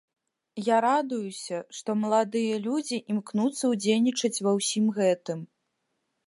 Я радуюся, што маладыя людзі імкнуцца ўдзельнічаць ва ўсім гэтым.